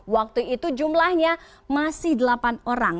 waktu itu jumlahnya masih delapan orang